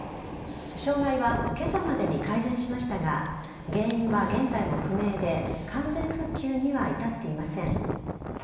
障害はけさまでに改善しましたが、原因は現在も不明で、完全復旧には至っていません。